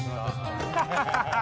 ハハハハハ！